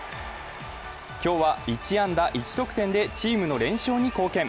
今日は１安打１得点でチームの連勝に貢献。